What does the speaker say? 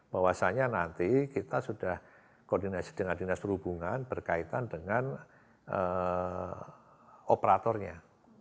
bahwasannya nanti kita sudah koordinasi dengan dinas perhubungan berkaitan dengan operatornya